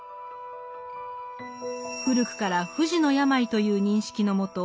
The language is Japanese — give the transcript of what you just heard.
古くから不治の病という認識のもと